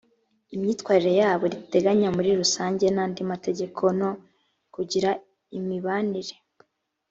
imyitwarire yabo riteganya muri rusange n andi mategeko no kugira imibanire